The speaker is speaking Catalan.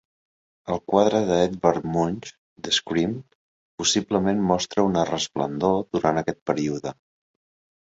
El quadre de Edvard Munch "The Scream" possiblement mostra una resplendor durant aquest període.